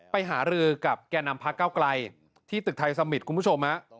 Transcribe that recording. หารือกับแก่นำพักเก้าไกลที่ตึกไทยสมิตรคุณผู้ชม